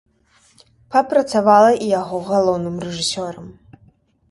Папрацавала і яго галоўным рэжысёрам.